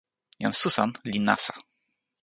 jan Susan li nasa.